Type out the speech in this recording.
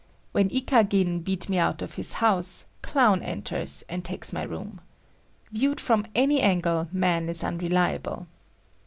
When Ikagin beat me out of his house, Clown enters and takes my room. Viewed from any angle, man is unreliable.